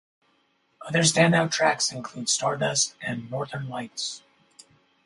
Other standout tracks include "Stardust" and "Northern Lights".